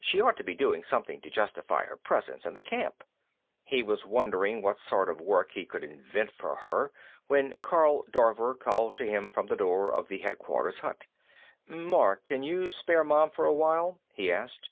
She ought to be doing something to justify her presence in the camp. He was wondering what sort of work he could invent for her when Karl Dorver called to him from the door of the headquarters hut. "Mark, can you spare Mom for a while?" he asked.